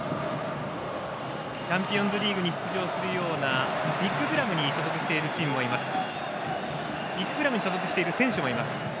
チャンピオンズリーグに出場するようなビッグクラブに所属している選手もいます。